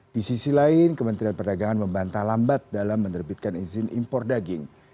di sisi lain kementerian perdagangan membantah lambat dalam menerbitkan izin impor daging